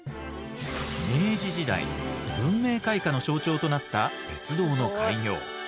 明治時代文明開花の象徴となった鉄道の開業。